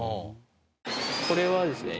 これはですね